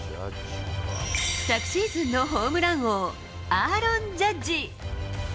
昨シーズンのホームラン王、アーロン・ジャッジ。